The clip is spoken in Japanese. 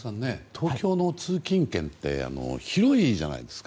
東京の通勤圏って広いじゃないですか。